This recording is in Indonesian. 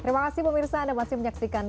terima kasih pemirsa anda masih menyaksikan